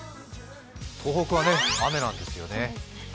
東北は雨なんですよね。